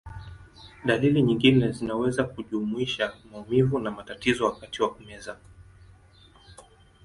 Dalili nyingine zinaweza kujumuisha maumivu na matatizo wakati wa kumeza.